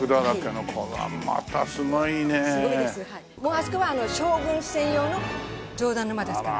あそこは将軍専用の上段之間ですから。